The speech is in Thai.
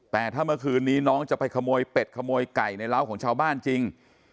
แต่ถ้าเมื่อคืนนี้น้องจะไปขโมยเป็ดขโมยไก่ในร้าวของชาวบ้านจริง